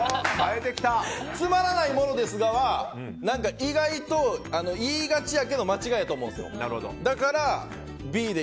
つまらないものですがは意外といいんやけど間違いやと思うんです。